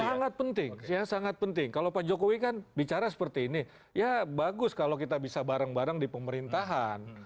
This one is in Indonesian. sangat penting ya sangat penting kalau pak jokowi kan bicara seperti ini ya bagus kalau kita bisa bareng bareng di pemerintahan